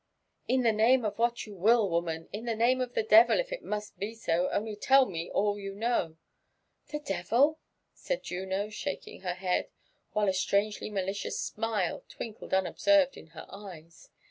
" In the name of what you will, woman^— in the name of the devil, if it must be so, — only tell me all you know." " The devil ?" said Juno, sbkaking her head, while a strangely ma licious smile twinkled unobserved ip her eyes.